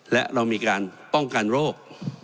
และเรามีการป้องกันโรค